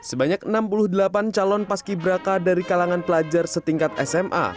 sebanyak enam puluh delapan calon paski braka dari kalangan pelajar setingkat sma